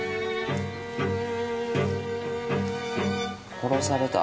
殺された？